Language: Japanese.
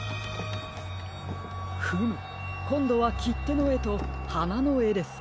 フムこんどはきってのえとはなのえですか。